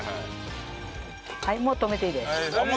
はいもう止めていいです。